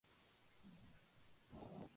What's Your Number?